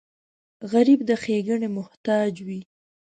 غریب د ښېګڼې محتاج وي